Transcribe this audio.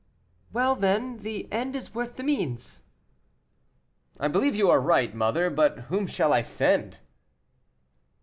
"Well, then, the end is worth the means." "I believe you are right, mother; but whom shall I send?"